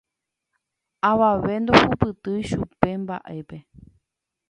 Avave ndohupytýi chupe upe mbaʼépe.